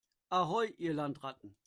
Ahoi, ihr Landratten!